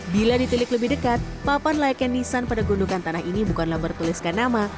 bila ditilik lebih dekat papan layaknya nisan pada gundukan tanah ini bukanlah bertuliskan nama